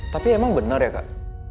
tapi emang benar ya kak